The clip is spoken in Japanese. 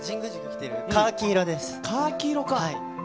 今、カーキ色か。